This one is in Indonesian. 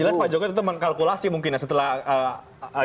jelas pak jokowi tetap mengkalkulasi mungkin setelah cara ini